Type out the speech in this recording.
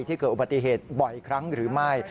เกิดอุบัติเหตุบ่อยครั้งหรือไม่